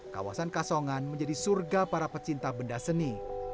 kawasan kasongan menjadi surga para pecinta benda seni